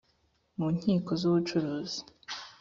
mu nkiko z ubucuruzi